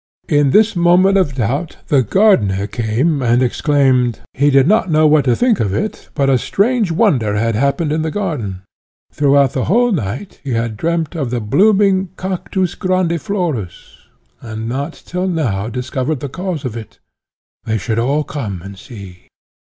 In this moment of doubt, the gardener came and exclaimed, "He did not know what to think of it, but a strange wonder had happened in the garden. Throughout the whole night he had dreamt of the blooming Cactus grandiflorus, and not till now discovered the cause of it. They should only come and see!"